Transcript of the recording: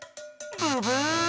ブブー！